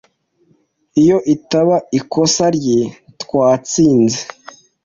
Iyo itaba ikosa rye, twatsinze.